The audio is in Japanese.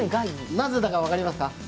なぜだか分かりますか？